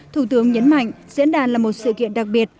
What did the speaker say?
thủ tướng nhấn mạnh diễn đàn là một sự kiện đặc biệt